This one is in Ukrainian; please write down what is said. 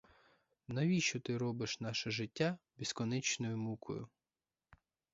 Навіщо ти робиш наше життя безконечною мукою?